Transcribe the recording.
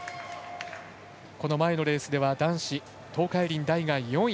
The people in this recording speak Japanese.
前のレースでは男子の東海林大が４位。